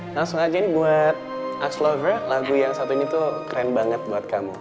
langsung aja nih buat ux lover lagu yang satu ini tuh keren banget buat kamu